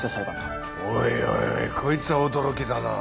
おいおいこいつは驚きだな。